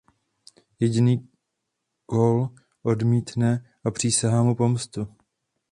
Jediný Kol odmítne a přísahá mu pomstu.